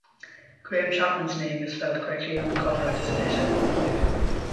Graham Chapman's name is spelled correctly on the cover of this edition.